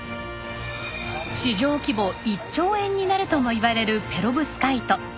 市場規模１兆円になるともいわれるペロブスカイト。